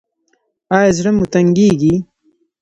ایا زړه مو تنګیږي؟